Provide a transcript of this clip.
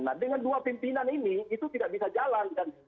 nah dengan dua pimpinan ini itu tidak bisa jalan